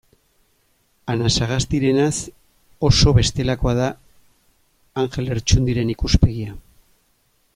Anasagastirenaz oso bestelakoa da Anjel Lertxundiren ikuspegia.